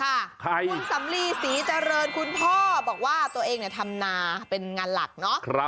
คุณสำลีศรีเจริญคุณพ่อบอกว่าตัวเองทำนาเป็นงานหลักเนาะ